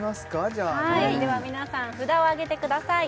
じゃあはいでは皆さん札を上げてください